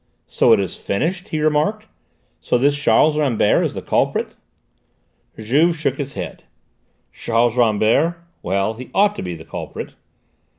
"So it is finished?" he remarked. "So this Charles Rambert is the culprit?" Juve shook his head. "Charles Rambert? Well, he ought to be the culprit."